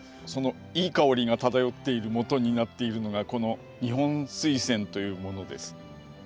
そのいい香りが漂っているもとになっているのがこの‘ニホンズイセン’というものです。